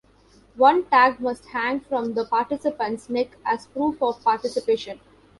One tag must hang from the participant's neck as proof of participation.